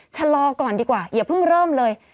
ชะลอก่อนดีกว่าอย่าเพิ่งเริ่มเลย